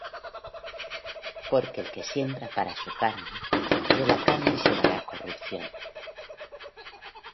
Porque el que siembra para su carne, de la carne segará corrupción;